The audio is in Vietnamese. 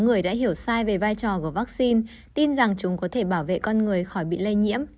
người đã hiểu sai về vai trò của vaccine tin rằng chúng có thể bảo vệ con người khỏi bị lây nhiễm